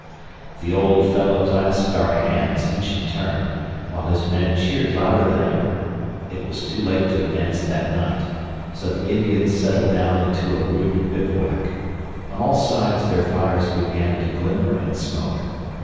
The old fellow clasped our hands, each in turn, while his men cheered louder than ever. It was too late to advance that night, so the Indians settled down into a rude bivouac. On all sides their fires began to glimmer and smoke.